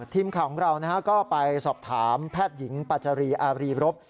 ทีมข่าวของเราก็ไปสอบถามแพทย์หญิงปาจารีอารีรบ